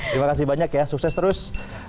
terima kasih banyak ya sukses terus